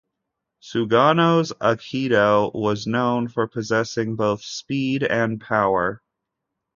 Sugano's aikido was known for possessing both speed and power.